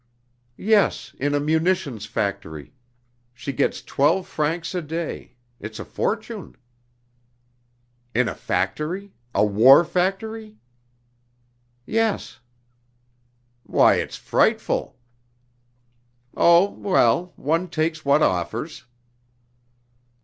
"Yes, in a munitions factory. She gets twelve francs a day. It's a fortune." "In a factory! A war factory!" "Yes." "Why, it's frightful!" "Oh, well! One takes what offers!"